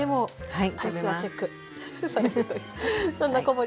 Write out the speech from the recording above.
はい。